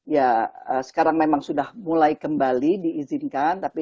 ya sekarang memang sudah mulai kembali diizinkan